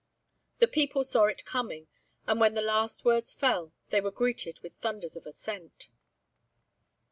The people saw it coming and when the last words fell, they were greeted with thunders of assent.